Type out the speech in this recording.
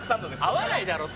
合わないだろう